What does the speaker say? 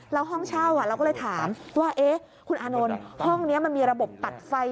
แล้วห้องเช่าเราก็เลยถามว่าคุณอานนท์ห้องนี้มันมีระบบตัดไฟ